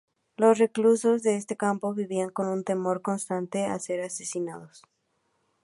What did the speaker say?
Los reclusos de este campo vivían con un temor constante a ser asesinados.